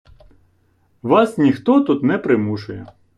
Вас ніхто тут не примушує.